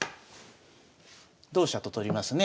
同飛車と取りますね。